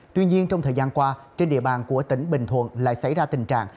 tuy nhiên trong thời gian qua trên địa bàn của tỉnh bình thuận lại xảy ra tình trạng